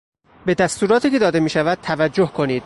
به دستوراتی که داده میشود توجه کنید.